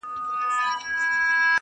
o اوله گټه شيطان کړې ده٫